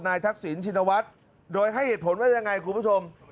นายทักษิณชินวัสด์โดยให้เหตุผลว่าอย่างไรครับคุณผู้ชม